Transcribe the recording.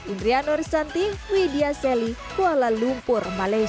indriano rizanti widya selly kuala lumpur malaysia